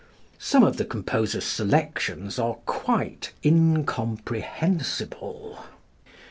Some of the composers' selections are quite incomprehensible.